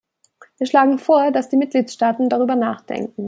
Wir schlagen vor, dass die Mitgliedstaaten darüber nachdenken.